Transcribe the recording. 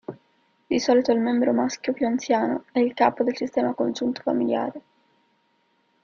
Di solito, il membro maschio più anziano è il capo del sistema congiunto familiare.